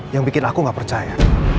yang bikin aku gak percaya